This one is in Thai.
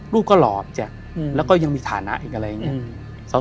ลูกก็หล่อพี่แจ๊คแล้วก็ยังมีฐานะอีกอะไรอย่างนี้